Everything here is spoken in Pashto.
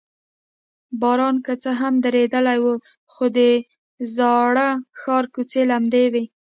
باران که څه هم درېدلی و، خو د زاړه ښار کوڅې لمدې وې.